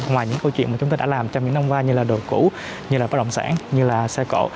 ngoài những câu chuyện mà chúng ta đã làm trong những năm qua như là đồ cũ như là đồ đồng sản như là xe cộ